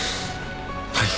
はい。